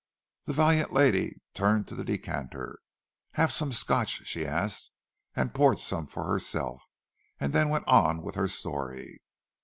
The valiant lady turned to the decanter. "Have some Scotch?" she asked, and poured some for herself, and then went on with her story.